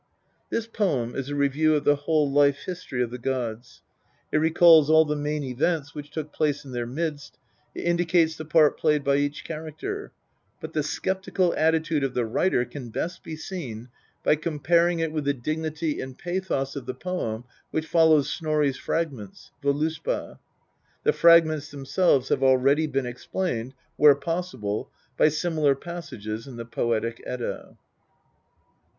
This poem is a review of the whole life history of the gods. It recalls all the main events which took place in their midst, it indicates the part played by each character ; but the sceptical attitude of the writer can best be seen by comp'aring it with the dignity and pathos of the poem which follows Snorri's Fragments, Voluspa. The Fragments themselves have already been explained, where possible, by similar passages in the Poetic Edda.